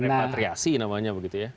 menarik matriasi namanya begitu ya